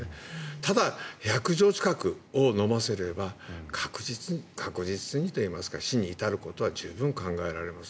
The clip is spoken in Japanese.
ただ、１００錠近くを飲ませれば確実にといいますか死に至らせることは十分考えられます。